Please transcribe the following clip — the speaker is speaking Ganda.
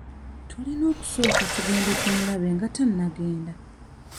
Tulina okusooka tugende tumulabe nga tannagenda.